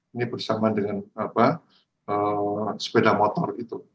ini bersama dengan sepeda motor itu